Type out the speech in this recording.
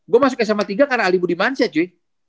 gue masuk sma tiga karena ali budimansyah cuy